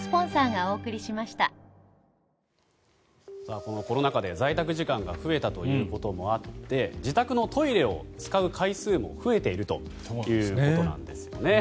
このコロナ禍で在宅時間が増えたということもあって自宅のトイレを使う回数も増えているということなんです。